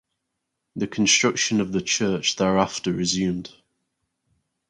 The construction of the church thereafter resumed.